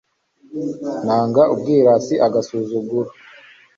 nanga ubwirasi, agasuzuguro